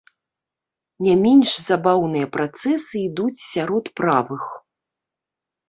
Не менш забаўныя працэсы ідуць сярод правых.